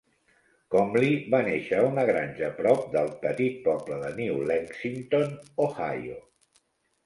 Comly va néixer a una granja prop del petit poble de New Lexington (Ohio).